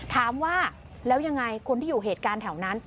ถามว่าแล้วยังไงคนที่อยู่เหตุการณ์แถวนั้น